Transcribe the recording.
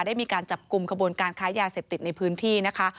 ได้มีการจับกลุ่มขบวนการค้ายาเสพติดในพื้นที่นะคะ